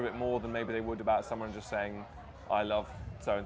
mungkin lebih dari yang mereka tahu tentang seseorang yang hanya mengatakan